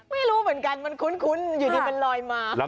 ไม่รู้เหมือนกันมันคุ้นอยู่ดีมันลอยมา